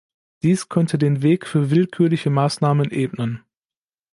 Dies könnte den Weg für willkürliche Maßnahmen ebnen.